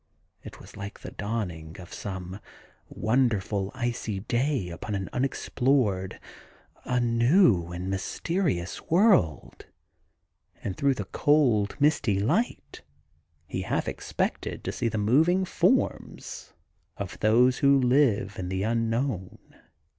It was like the dawn ing of some wonderful, icy day upon an unexplored, a new and mysterious world; and through the cold misty light he half expected to see the moving forms of those who live in the unknown.